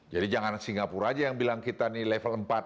jadi jangan singapura aja yang bilang kita nih level empat